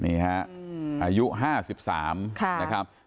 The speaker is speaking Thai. นี่ก็ครับอายุ๕๓นะครับ